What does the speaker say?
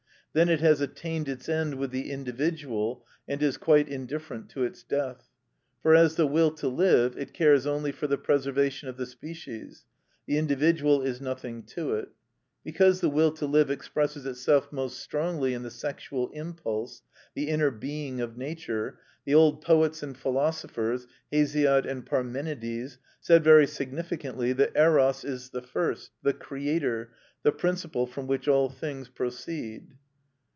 Then it has attained its end with the individual, and is quite indifferent to its death, for, as the will to live, it cares only for the preservation of the species, the individual is nothing to it. Because the will to live expresses itself most strongly in the sexual impulse, the inner being of nature, the old poets and philosophers—Hesiod and Parmenides—said very significantly that Eros is the first, the creator, the principle from which all things proceed.